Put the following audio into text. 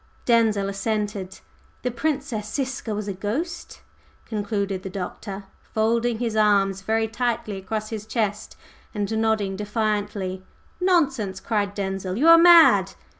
Denzil assented. "The Princess Ziska was a ghost!" concluded the Doctor, folding his arms very tightly across his chest and nodding defiantly. "Nonsense!" cried Denzil. "You are mad!"